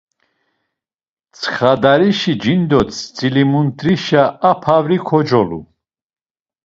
Tsxadarişi cindo, sǩilimut̆rişa a pavri kocolu.